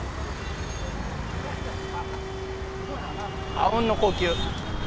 あうんの呼吸。